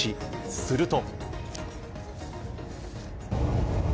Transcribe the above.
すると。